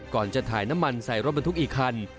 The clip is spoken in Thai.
ก่อนจะถ่ายน้ำมันใส่รถบรรทุกอีกคัน